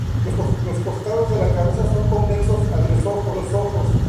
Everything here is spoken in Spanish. Los costados de la cabeza son convexos alrededor de los ojos.